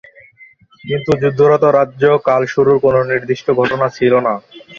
কিন্তু যুদ্ধরত রাজ্য কাল শুরুর কোন নির্দিষ্ট ঘটনা ছিল না।